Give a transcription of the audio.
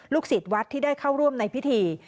ศิษย์วัดที่ได้เข้าร่วมในพิธี